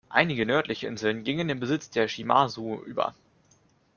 Einige nördliche Inseln gingen in den Besitz der Shimazu über.